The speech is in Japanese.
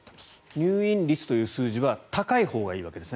入院率という数字は高いほうがいいわけですね？